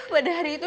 pada hari itu